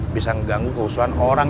bisa mengganggu keusuhan orang